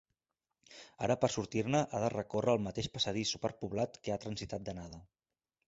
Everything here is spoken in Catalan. Ara per sortir-ne ha de recórrer el mateix passadís superpoblat que ha transitat d'anada.